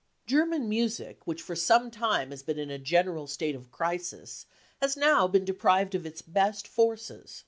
German music, which for some time has been in a general state of crisis, has now been deprived of its best forces.